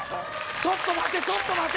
ちょっと待てちょっと待て。